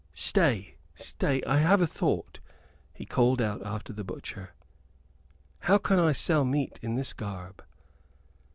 "Stay stay I have a thought," he called out after the butcher. "How can I sell meat in this garb?"